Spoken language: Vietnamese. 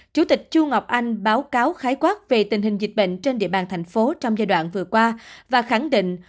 chủ tịch chu ngọc anh báo cáo khái quát về tình hình dịch bệnh trên địa bàn thành phố trong giai đoạn vừa qua và khẳng định